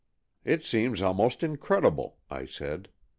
"It seems almost incredible," I said.